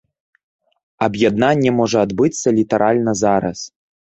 Аб'яднанне можа адбыцца літаральна зараз.